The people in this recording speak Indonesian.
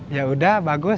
ya udah bagus